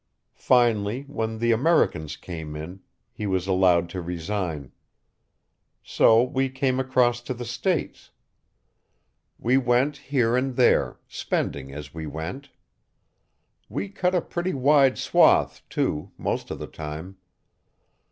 Finally, when the Americans came in, he was allowed to resign. So we came across to the States. We went here and there, spending as we went. We cut a pretty wide swath too, most of the time.